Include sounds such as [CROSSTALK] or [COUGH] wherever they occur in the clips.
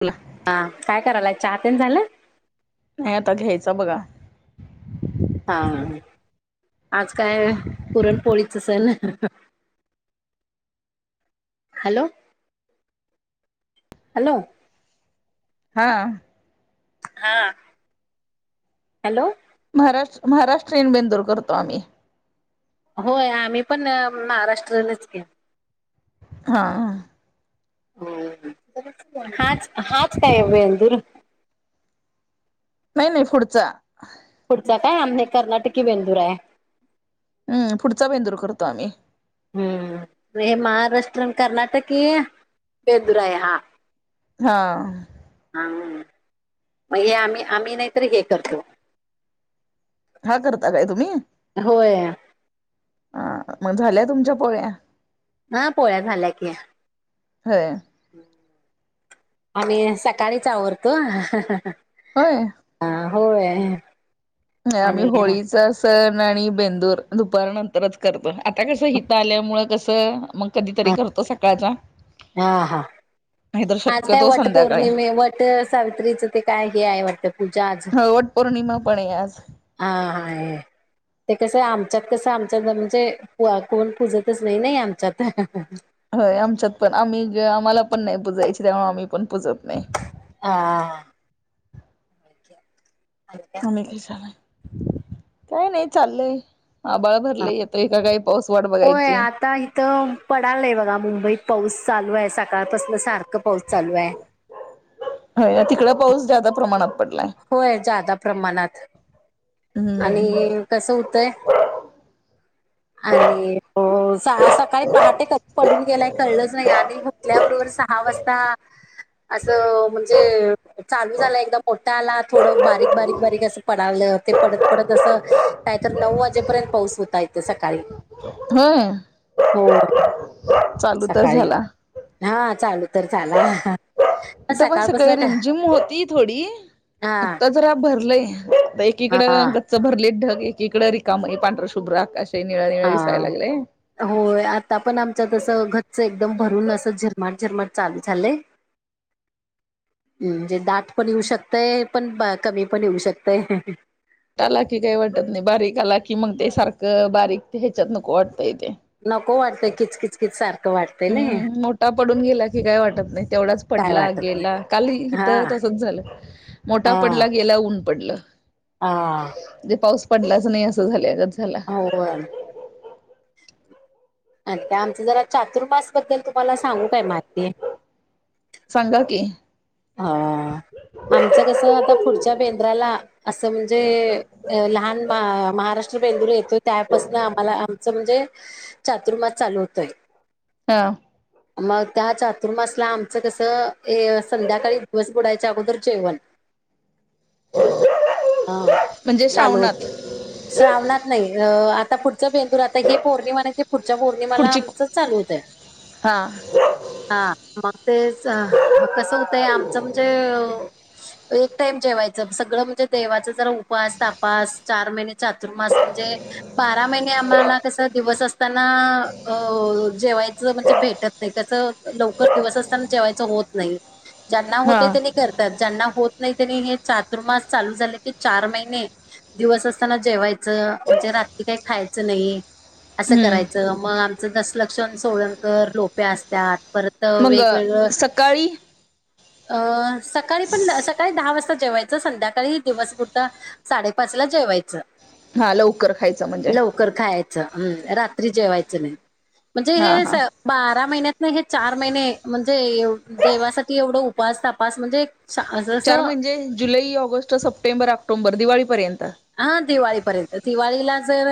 बोला. हा काय करायलात चहा पिऊन झालं? नाही आता घ्यायचा बघा. हां. आज काय पुरणपोळीच सण. हॅलो. हॅलो. हां. हां हॅलो. महाराष्ट्र महाराष्ट्रीयन बेंदूर करतो आम्ही. होय आम्ही पण अ महाराष्ट्रीयनच की. हां. हाच हाच काय बेंदूर. नाही नाही फुडचा फुडचा काय आमनी कर्नाटकी बेंदूर आहे. हम् फुडचा बेंदूर करतो आम्ही. हम्म हे महाराष्ट्रीयन कर्नाटकी बेंदुर आहे हा. हां. आम्ही मग हे आम्ही आम्ही नाहीतर हे करतो. हा करता काय तुम्ही होय ह मग झाल्या तुमच्या पोळ्या? हा पोळ्या झाल्या की. होय. आम्ही सकाळीच आवरतो. होय. आ होय. ते आम्ही आणि होळीच अस सण आणि बेंदूर दुपार नंतरच करतो आता कसं हितं आल्यामुळं कसं मग कधीतरी करतो सकाळचा हा हा. नाही दर. मग आज काय वटपौर्णिमा वटसावित्रीचं ते काय हे आहे वाटत पूजा आज. हो वट पौर्णिमा पण आहे आज. हां ये. ते कसं आमच्यात कसं आमच्यात म्हणजे कोण पुजतच नाही नाही आमच्यात. होय आमच्यात पण आम्ही जे आम्हाला पण नाही पूजायची त्यामुळे आम्ही पण पुजत नाही ह अचछा [UNINTELLIGIBLE] [UNINTELLIGIBLE] काय नाही चाललंय आभाळ भरलय येतंय का काय? होय आता. तर पडालय बघा मुंबईत पाऊस चालू आहे, सकाळपासलं सारखं पाऊस चालू आहे. हो तिकड पाऊस ज्यादा प्रमाणात पडलाय. होय जादा प्रमाणात हम्म आणि. कस होतय आणि. हो सकाळी पहाटे कधी पडून गेलाय कळलंच नाही, आणि उठल्याबरोबर. सहा वाजता असं म्हणजे चालू झाला एकदम मोठ. मला थोड बारीक बारीक बारीक अस लागलं ते पडत पडत असं काय तर नऊ वाजेपर्यंत पाऊस होता इथ सकाळी होय हम्म सकाळी हा चालू तर झाला. इथं पण सकाळी सकाळपासून ठ- रिम जिम होती थोडी हा आत्ता जरा भरलंय आता हा एकीकड गच्च गच्च भरलेत ढग एकीकड रिकाम पांढर शुभ्र आकाश ये निळ निळ हा दिसाय लागलय. होय आता पण आमच्यात असं घच्च एकदम भरून असं झिरमाट झिरमाट चालू झालंय. [UNINTELLIGIBLE] म्हणजे दाट पण येऊ शकतय पण कमी पण येऊ शकतय. मोठा आला की काही वाटत नाही बारीक आला की मग ते सारखं बारीक ह्याच्यात नको वाटतंय ते नको वाटतंय किचकिच किचकीच सारखं वाटतंय नई हम्म मोठा पडून गेला की काय वाटत नाही तेवढाच काय पडला वाटत नाही गेला काल हा इथं तसच झालं. मोठा हा पडला गेला ऊन पडलं. हा म्हणजे पाऊस पडलाच नाही असं झालंय गच्च होय. आणि का आमच जरा चातुर्मास बद्दल तुम्हाला सांगू काय माहिती सांगा की अह आमचं कसं आता पुढच्या बेंद्राला असं म्हणजे अ लहान महाराष्ट्र बेंदुर येतोय त्यापासन आम्हाला आमचं म्हणजे चातुर्मास चालू होतोय. हा मग त्या चातुर्मासला आमचं कसं हे संध्याकाळी दिवस बुडायच्या अगोदर जेवण हा म्हणजे चालू होत. श्रावणात श्रावणात नाही आता पुढच बेंदूर तर हे पौर्णिमा नाही ते पुढच्या पौर्णिमाला पुढची आमचं चालू होतंय. हा हा मग तेच कसं होतंय आमचं म्हणजे एक टाइम जेवायचं सगळं म्हणजे देवाच जरा उपास तापास चार महिने चातुर्मास म्हणजे बारा महिने आम्हाला कस दिवस असताना अ जेवायचं म्हणजे भेटत नाही कस लवकर दिवस असताना जेवायच होत नाही ज्यांना हा होतं त्यांनी करतात ज्यांना होत नाही त्यांनी हे चातुर्मास चालू झाल की चार महिने दिवस असताना जेवायचं म्हणजे रात्री काही खायचं नाही. असं हम्म करायचं मग आमचं दसलक्षण सोळणकर लोप्या असत्यात परत मग वेगवेगळं सकाळी अ सकाळी पण सकाळी दहा वाजता जेवाय आमचं संध्याकाळी दिवस कुठ साडेपाचला जेवायचं. हा लवकर खायचं म्हणजे कर खायचं रात्री जेवायचं नाही म्हणजे हा हे हा बारा महिन्यातन हे चार महिने म्हणजे देवासाठी एवढं उपास तापास म्हणजे चार असं म्हणजे जुलै ऑगस्ट सप्टेंबर ऑक्टोंबर दिवाळीपर्यंत हा दिवाळीपर्यंत दिवाळीला जर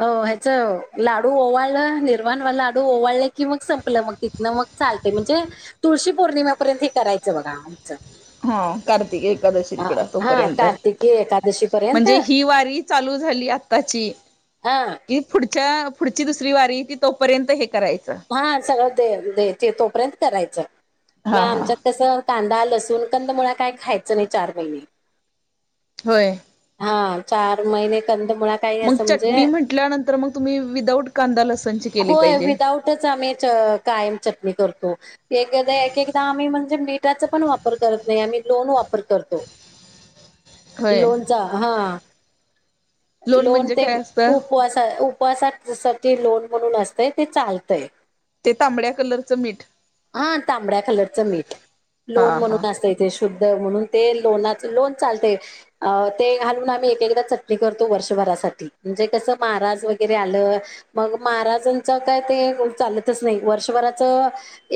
अ ह्याच लाडू ओवाळलं निर्वाणवा लाडू ओवाळले की मग संपलं मग तिथन मग चालते म्हणजे तुळशी पौर्णिमेपर्यंत हे करायचं बघा. हो कार्तिक एकादशी ह इकड हा तोपर्यंत कार्तिकी एकादशी पर्यंत म्हणजे ही वारी चालू झाली आताची. हा पुढच्या पुढची दुसरी वारी ती तोपर्यंत हे करायचं. हा सगळं दे द ते तोपर्यंत करायचं. म हा हा. आमच्या तस कांदा लसूण कंद मुळ काय खायचं नाही चार महिने. होय. हा चार महिने कंद मुळात मग चटणी म्हटल्यानंतर मग तुम्ही विदाऊट कांदा लसणची केली पाहिजे? आ् कायम चटणी करतो. एक एकदा एक एकदा आम्ही आम् म्हणजे मीटाचा पण वापर करत नाही आम्ही लोन वापर करतो. होय लो हा. लोण लोन म्हणजे ते काय असतं उपवास उपवासा ज लोन म्हणून असते ते चालतय. ते तांबड्या कलरचं मीठ. हा तांबड्या कलरचं मीठ. हा लोन हा. म्हणून अस शुद्ध म्हणून ते लोनाच लोन चालतय. अ ते घालून आम्ही एक एकदा चटणी करतो वर्षभरासाठी म्हणजे कसं महाराज वगैरे आलं मग महाराजांचं काय ते चालतच नाही वर्षभराचं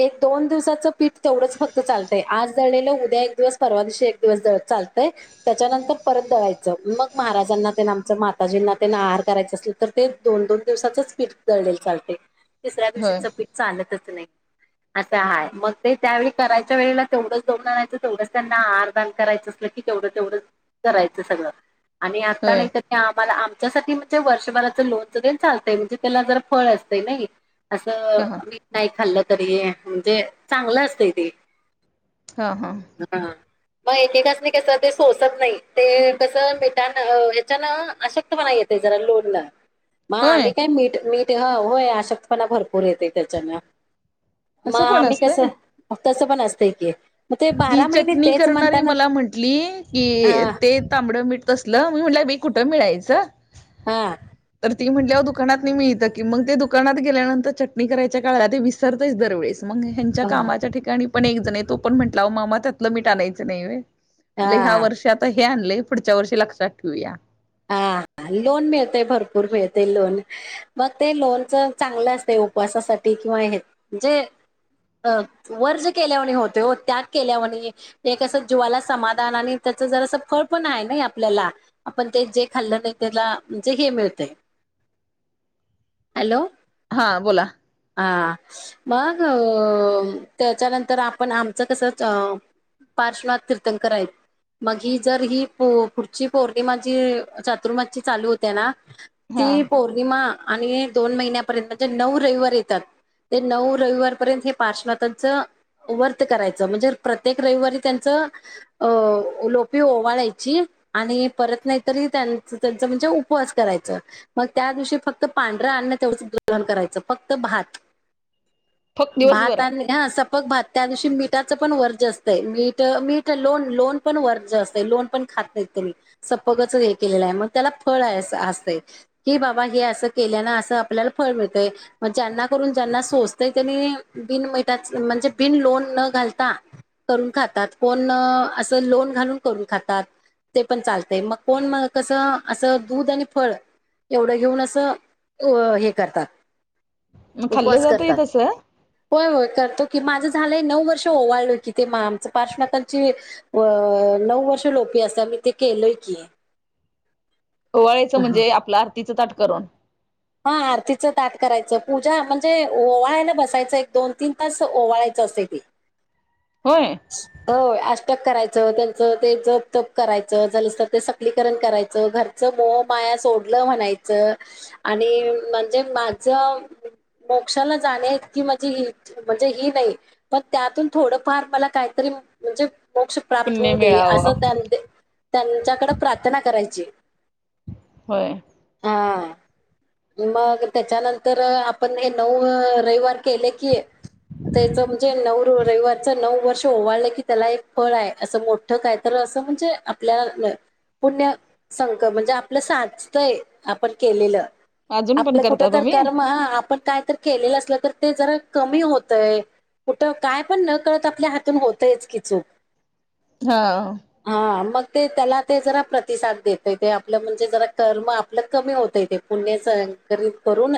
एक दोन दिवसाचं पीठ तेवढंच फक्त चालतंय आज दळलेलं उद्या एक दिवस परवा दिवशी एक दिवस चालतंय. त्याच्यानंतर परत दळायचं मग महाराजांना ते आमचं माताजींना ते आहार करायचं अस तर ते दोन दोन दिवसाचच पीठ दळलेल चालते तिसऱ्या होय दिवशीचं पीठ चालतच नाही. असं आहेय मग ते त्यावेळी करायच्या वेळेला तेवढंच दळून आणायचं तेवढंच त्यांना आहारदान करायचं अस. तेवढं तेवढं करायचं सगळं‌. आणि आता होय नाही तर ते आम्हाला आमच्यासाठी म्हणजे वर्षभराच लोन ज चालतंय म्हणजे त्याला जरा फळ नाही असं हा हा मीठ नाही खाल्लं तरी म्हणजे चांगलं असतय ते. हां हां. हा‌. मग एकेकास नाही कस ते सोसत नाही ते कस मिट हच्यान आशक्तपणा येत. त्या जरा लोन न. [INAUDIBLE] मग आम्ही काय मीट मीट होय आशक्तपणा भरपूर येतेय त्याच्यान. मग असं पण आम्ही कसं. असतंय. तसं पण असतय की. मग ते ती बारा महिने चटणी तेच करणारी म्हणताना मला म्हंटली की, हा ते तांबड मिठ तसलं. मी म्हटलं, मी कुठं मिळायचं? हा. तर ती म्हटली हो दुकानात नाही मिळतं की. मग ते दुकानात गेल्यानंतर चटणी करायच्या काळात ते सरतेच दरवेळेस. मग त्यांच्या हा कामाच्या ठिकाणी पण एकजण तो पण म्हटला मामा त्यातलं मीट आनायच नाहीय. म्हण ह्या हा वर्षी आता हे आणलंय पुढच्या वर्षी लक्षात ठेऊया. हा हा लोन मिळतेय भरपूर मिळते लोन. मग ते लोनच चांगलं असते उपवासासाठी किंवा हे जे अ वर्ज्य केल्या वाणी होतय ओ त्याग केल्या वाणी. ते कसं जीवाला समाधान आणि त्याचं जरा असं फळ पण आहे ना आपल्याला. पण ते जे खाल्लं नाही त्याला म्हणजे हे मिळतय. हॅलो. हा बोला. हां. मग अ त्याच्यानंतर आपण आमचं कसं अ पाच लाख तीर्थकार आहेत मग ही जर ही पुढची पोरं ते माझी चातुर्माची चालू होते ना हा ती पोरं. किमान आणि दोन महिन्यापर्यंत म्हणजे नऊ रविवार येतातं. ते नऊ रविवार पर्यंत हे पार्श्वानाथचं. व्रत करायचं म्हणजे प्रत्येक रविवारी त्यांचं. लोपी ओवाळायची आणि? परत नाही तरी त्यांच म्हणजे उपवास करायचं. मग त्या दिवशी फक्त पांढरंअन्न तेवढं ग्रहण करायचं फक्त भात. ह. भात आणि? हा सपक भात त्या दिवशी मिठाचं पण वर्ज असते मीठ मीठ लोन लोन. पण वर्ज असत लोन पण खातं त्यांनी सफक हे केलेलं आहे मग त्याला फळ आहे असते. कि बाबा हे असं केल्या ना असं आपल्याला फळ मिळतंय. मग ज्यांना करून ज्यांना सोचतयं त्यांनी बिन मिठचं म्हणजे बिन लोन न घालता. करून खातात कोण असं लोन घालून करून खातात ते पण चालतं. मग कोण म कसं असं दूध आणि फळ. एवढं घेऊन असं हे करतातं. खाल्लं उपास जातय करतात. तसं होय होय करतो. कि माझं झालंय नऊ वर्ष ओवाळल कि ते आमचं पार्श्वथांची. अ नऊ वर्ष लोपी असतं मी ते केलयं कि. ओवाळायचं म्हणजे आपलं आरतीचं ताट करूनं? हा आरतीचं ताट करायचं पूजा म्हणजे ओवाळायला बसायचं एक दोन तीन तास ओवाळायचं असते ती. होय, होय अष्टक करायचं त्यांचं ते जप तप करायचं झालंस ते. विलीकरण करायचं घरचं मोह माया सोडलं म्हणायचं. आणि म्हणजे माझं. मोक्षाला जाण्या इतकी म्हणजे म्हणजे ही नाही पण त्यातून थोडंफार मला. काहीतरी म्हणजे मोक्ष प्राप्त पुण्य होऊ दे असं मिळावं त्याचं. त्यांच्याकडे प्रार्थना करायची? होय, हा. मग त्याच्यानंतर आपण हे नऊ रविवार केले कि. त्याचं म्हणजे नऊ रविवारचं नऊ वर्ष. ओवाळलं कि त्याला एक फळ आहे असं मोठं काय तर असं म्हणजे आपल्या. पुण्य संच म्हणजे आपलं साचतय आपण केलेलं. अजून पण आपलं कुठं करता तर तुम्ही कर्म आपण काय तरी. केलेलं असलं ते जरा कमी होतयं कुठं काय पण न कळतं आपल्या हात. होतचं कि चूक. हा. हा मग ते त्याला ते जरा प्रतिसाद देतयं ते आपलं म्हणजे जरा कर्म आपलं कमी होतयं ते. पुण्याचं सक्रिय करून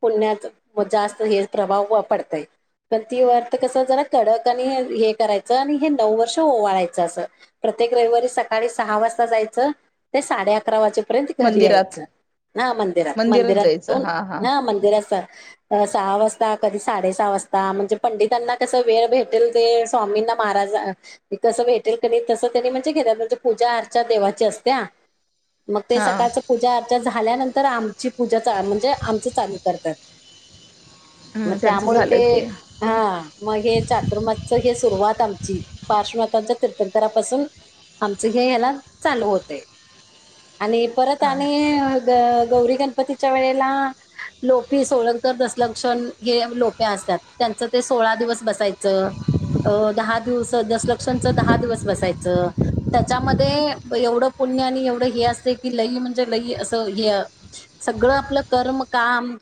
पुण्याचं जास्त हे प्रभाव पडतयं. पण ती व्रत कसं झाला कडक आणि हे करायचं आणि हे नऊ वर्ष ओवाळायचं असं. प्रत्येक रविवारी सकाळी सहा वाजता जायचं ते साडे अकरा वाजे. पर्यत घरी मंदिरात यायचं हा मंदिरात मंदिरात जाऊन हा मंदिर. सहा वाजता कधी साडे सहा वाजता म्हणजे पंडितांना कसं वेळ भेटेल. ते स्वामींना महाराज. कसं भेटेल तसं त्यांनी म्हणजे घेणारं म्हणजे पूजां अर्चा अं देवांची असत्यां. मंग ते हा सकाळचं पूजा अर्चा झाल्यानंतर आमची पूजा म्हणजे आमचं चालूं करतांत. मंग हम्म त्यांचं त्यामुळें ते झालं की हां मंग हे चातुर्मास. तरं हे सुरुवांत आमची पार्श्वानाथ तीर्थकरांपासून. आमचं हे ह्यांला चालूं होते आणि परंत हा आणि. गं गौरी गणपतींच्या वेळेलां. लोपी सोळं तरं दसलक्ष्षंण हे लोप्यां असतांत त्यांचं ते सोळा दिवसं बसायचं. अं दहा दिवसं दसलक्षांचं दहा दिवसं बसायचं. त्यांच्यामध्ये एवढं पुण्यं आणि एवढं हे असते की लई म्हणजे लई असं हे. सगळं आपलं कर्म कामं.